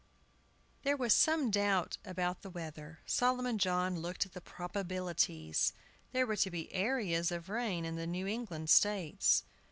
THERE was some doubt about the weather. Solomon John looked at the "Probabilities;" there were to be "areas" of rain in the New England States.